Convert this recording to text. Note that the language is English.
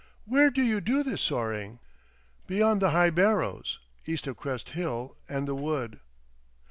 "Where do you do this soaring?" "Beyond the high Barrows. East of Crest Hill and the wood."